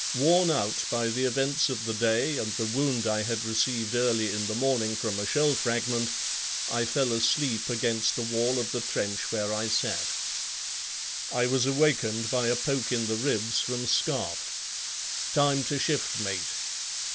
Worn out by the events of the day and the wound I had received early in the morning from a shell fragment, I fell asleep against the wall of the trench where I sat. I was awakened by a poke in the ribs from Scarfe. "Time to shift, mate."